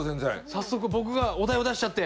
早速僕がお題を出しちゃって？